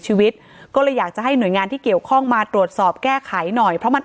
ชีวิตก็เลยอยากจะให้หน่วยงานที่เกี่ยวข้องมาตรวจสอบแก้ไขหน่อยเพราะมัน